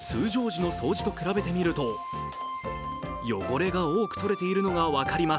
通常時の掃除と比べてみると汚れが多く取れているのが分かります。